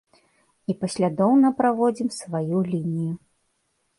І паслядоўна праводзім сваю лінію.